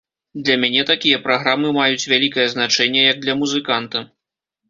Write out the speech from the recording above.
Для мяне такія праграмы маюць вельмі вялікае значэнне як для музыканта.